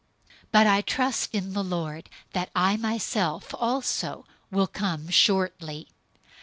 002:024 But I trust in the Lord that I myself also will come shortly.